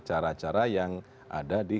cara cara yang ada di